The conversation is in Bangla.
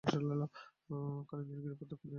কালিন্দী গিরিপথের দক্ষিণে এর অবস্থান।